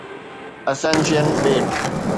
Ascension ٻيٽ